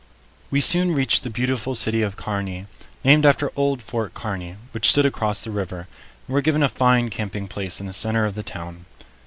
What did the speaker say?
We soon reached the beautiful city of Kearney, named after old Fort Kearney, which stood across the river, and were given a fine camping place in the center of the town.